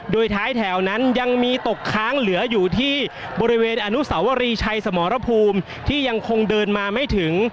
โดยท้ายแถวนั้นยังมีตกค้างเหลืออยู่ที่บริเวณอนุสาวรีชัยสมรภูมิที่ยังคงเดินมาไม่ถึง